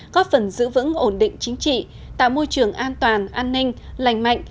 góp phần giữ vững ổn định chính trị tạo môi trường an toàn an ninh lành mạnh